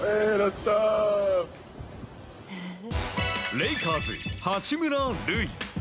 レイカーズ、八村塁。